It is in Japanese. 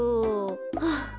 はあ。